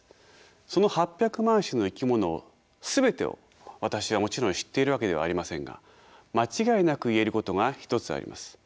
その８００万種の生き物全てを私はもちろん知っているわけではありませんが間違いなく言えることが一つあります。